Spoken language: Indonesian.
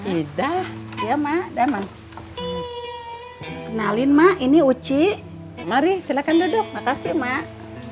ida ya ma damang nalin mak ini uci mari silakan duduk makasih mak